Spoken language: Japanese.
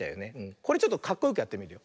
これちょっとかっこよくやってみるよ。